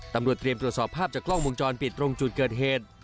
ตำรวจเตรียมตรวจสอบภาพจากกล้องวงจรปิดตรงจุดเกิดเหตุ